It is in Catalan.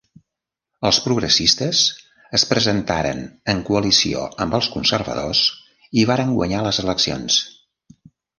Els Progressistes es presentaren en coalició amb els conservadors i varen guanyar les eleccions.